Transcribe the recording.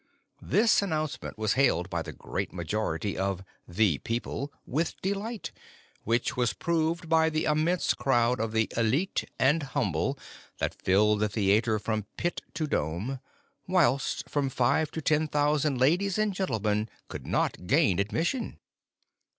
This announcement was hailed by the great majority of " the people " with delight ; which was proved by the immense crowd of the ^lite and humble tliat filled the tlieatre from " pit to dome," whilst from five to ten thousand ladies and gentlemen could not gain admission.